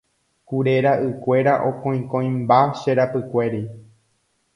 kure ra'ykuéra okõikõimba che rakykuéri